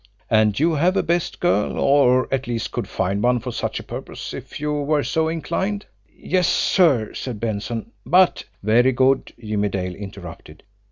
"And you have a 'best girl,' or at least could find one for such a purpose, if you were so inclined?" "Yes, sir," said Benson; "but " "Very good!" Jimmie Dale interrupted.